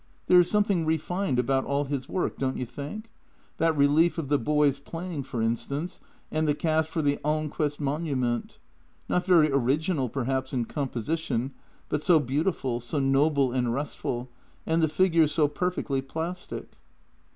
There is something re fined about all his work, don't you think? That relief of the boys playing, for instance, and the cast for the Almquist monu ment. Not very original, perhaps, in composition, but so beau tiful, so noble and restful, and the figures so perfectly plas tic."